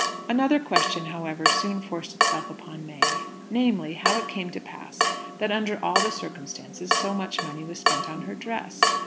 Another question, however, soon forced itself upon May namely, how it came to pass that, under all the circumstances, so much money was spent on her dress.